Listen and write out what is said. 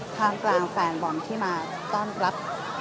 ท่ามกลางแฟนบอลที่มาต้อนรับ